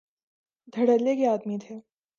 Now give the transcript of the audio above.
دھڑلے کے آدمی تھے۔